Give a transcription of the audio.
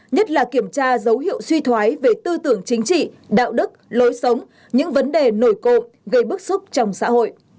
nhất là kiểm tra dấu hiệu suy thoái về tư tưởng chính trị đạo đức lối sống những vấn đề nổi cộng gây bức xúc trong xã hội